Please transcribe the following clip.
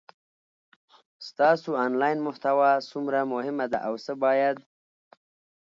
ستاسو انلاین محتوا څومره مهمه ده او څه باید